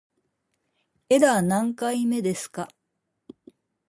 エラー何回目ですか